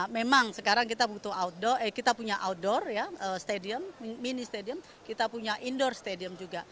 memang sekarang kita punya outdoor ya mini stadium kita punya indoor stadium juga